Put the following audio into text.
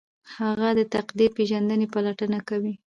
هغه د تقدیر پیژندنې پلټنه کوي.